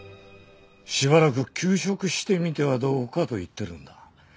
しばらく休職してみてはどうかと言ってるんだ。